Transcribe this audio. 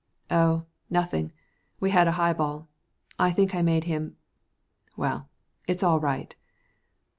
"Oh, nothing. We had a highball. I think I made him well it's all right."